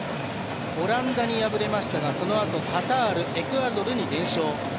オランダに敗れましたがそのあとカタールエクアドルに連勝。